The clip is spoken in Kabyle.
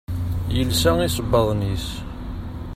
Yelsa isebbaḍen-is.